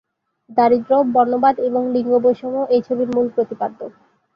দারিদ্র্য, বর্ণবাদ এবং লিঙ্গ বৈষম্য এই ছবির মূল প্রতিপাদ্য।